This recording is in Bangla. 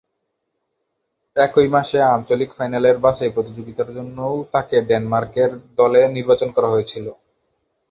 একই মাসে আঞ্চলিক ফাইনালের বাছাই প্রতিযোগিতার জন্যও তাকে ডেনমার্কের দলে নির্বাচন করা হয়েছিল।